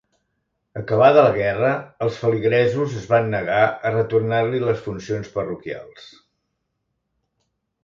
Acabada la guerra els feligresos es van negar a retornar-li les funcions parroquials.